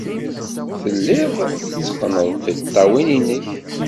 Telliḍ tetteqqneḍ tiṭṭawin-nnek.